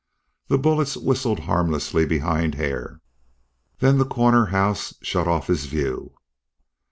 The bullets whistled harmlessly behind Hare. Then the corner house shut off his view.